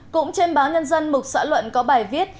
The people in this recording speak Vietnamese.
cũng trên báo nhân dân mục xã luận có bài viết